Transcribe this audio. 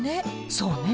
そうね。